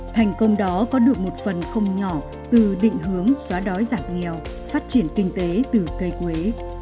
thành công đó có được một phần không nhỏ từ định hướng xóa đói giảm nghèo phát triển kinh tế từ cây quế